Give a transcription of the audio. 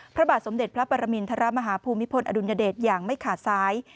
พระบาทสมเด็จพระปรมินทรมาฮภูมิพลอดุลยเดชอย่างไม่ขาดซ้าย